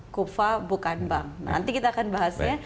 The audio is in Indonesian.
kupa bukan bank nanti kita akan bahasnya